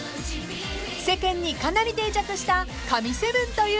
［世間にかなり定着した神７という言葉］